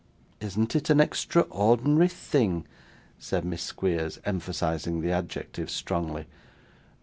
'Isn't it an extraordinary thing?' said Miss Squeers, emphasising the adjective strongly.